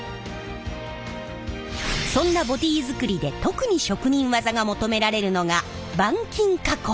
そんなボディー作りで特に職人技が求められるのが板金加工！